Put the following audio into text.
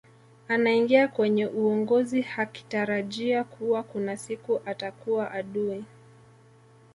anaingia kwenye uongozi hakitarajia kuwa kuna siku atakua adui